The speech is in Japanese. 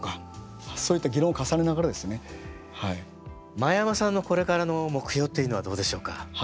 前山さんのこれからの目標っていうのはどうでしょうか。